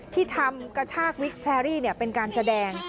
ที่ทำกระชากวิกแพรรี่เป็นการแสดง